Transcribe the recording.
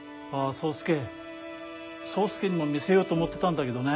そうすけにも見せようと思ってたんだけどね。